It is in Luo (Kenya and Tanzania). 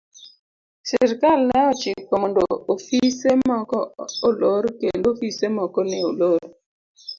Sirkal ne ochiko mondo ofise moko olor kendo ofise moko ne olor.